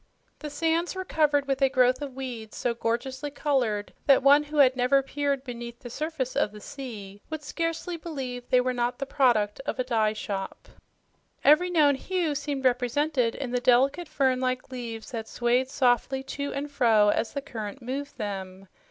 The sands were covered with a growth of weeds so gorgeously colored that one who had never peered beneath the surface of the sea would scarcely believe they were not the product of a dye shop. Every known hue seemed represented in the delicate, fern like leaves that swayed softly to and fro as the current moved them.